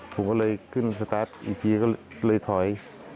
ผมก็เลยขึ้นสตาร์ทอีกทีก็เลยถอย